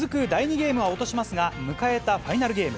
ゲームは落としますが、迎えたファイナルゲーム。